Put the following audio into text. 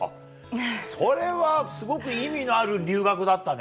それはすごく意味のある留学だったね。